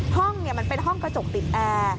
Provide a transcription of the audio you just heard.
ห้องมันเป็นห้องกระจกติดแอร์